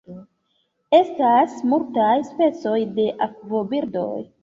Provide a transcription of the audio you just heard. Estas multaj specoj de akvobirdoj.